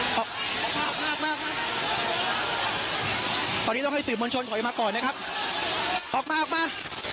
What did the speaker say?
มาครับตอนนี้ต้องให้สื่อมวลชนถอยมาก่อนนะครับออกมาออกมา